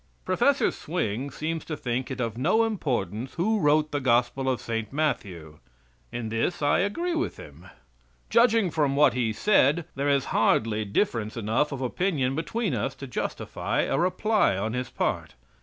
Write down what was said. Prof. Swing seems to think it of no importance who wrote the Gospel of St. Matthew. In this I agree with him. Judging from what he said, there is hardly difference enough of opinion between us to justify a reply on his part.